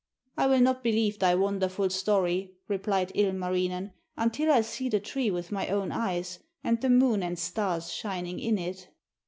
'I will not believe thy wonderful story,' replied Ilmarinen, 'until I see the tree with my own eyes and the moon and stars shining in it.'